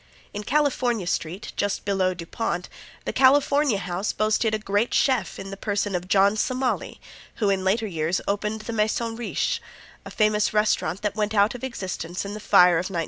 In California street, just below Dupont, the California House boasted a great chef in the person of John Somali, who in later years opened the Maison Riche, a famous restaurant that went out of existence in the fire of 1906.